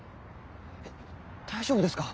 大丈夫ですか？